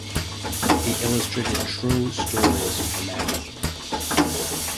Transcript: He illustrated true stories for magazine.